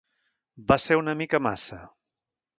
Va ser una mica massa.